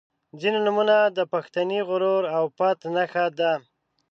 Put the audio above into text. • ځینې نومونه د پښتني غرور او پت نښه ده.